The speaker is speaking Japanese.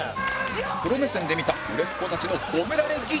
プロ目線で見た売れっ子たちの褒められ技術とは？